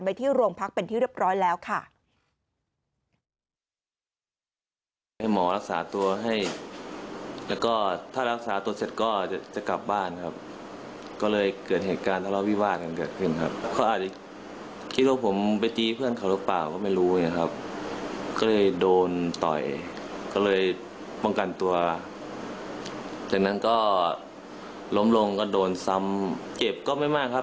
ไปที่โรงพักเป็นที่เรียบร้อยแล้วค่ะ